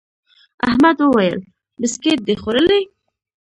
احمد وويل: بيسکیټ دي خوړلي؟